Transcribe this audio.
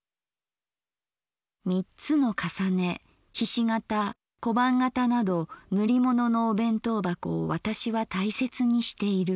「三つの重ね菱形小判型など塗り物のお弁当箱を私は大切にしている。